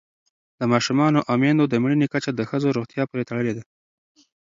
د ماشومانو او میندو د مړینې کچه د ښځو روغتیا پورې تړلې ده.